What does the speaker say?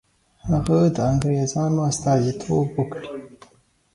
هغه د انګرېزانو استازیتوب وکړي.